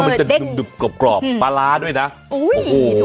มันจะหนึบกรอบกรอบปลาร้าด้วยนะโอ้โห